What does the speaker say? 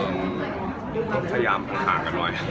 พยายามค้างกันหน่อย